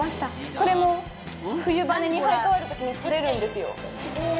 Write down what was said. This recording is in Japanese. これも冬羽に生え変わるときに取れるんですよ。